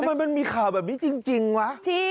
มันถามมันมีขาแบบนี้จริงวะ